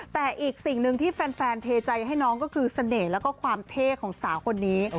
แต่อีกสิ่งหนึ่งที่แฟนเทใจให้น้องก็คือเสน่ห์แล้วก็ความเท่ของสาวคนนี้